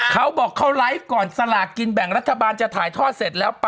เขาบอกเขาไลฟ์ก่อนสลากกินแบ่งรัฐบาลจะถ่ายทอดเสร็จแล้ว